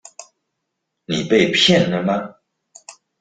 你被騙了嗎？